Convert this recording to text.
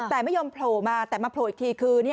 แต่ไม่ยอมโผล่มาแต่มาโผล่อีกทีคือ